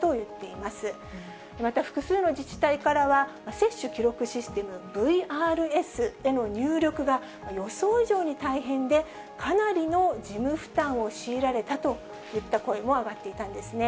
また複数の自治体からは、接種記録システム、ＶＲＳへの入力が予想以上に大変で、かなりの事務負担を強いられたといった声も上がっていたんですね。